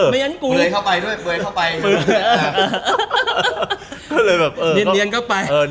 เบยเข้าไปด้วยเบยเข้าไป